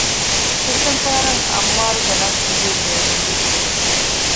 ފުރަތަމަ ފަހަރަށް އައްމާރު ގެ ނަން އިނގެން ބޭނުންވި